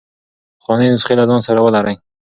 پخوانۍ نسخې له ځان سره ولرئ.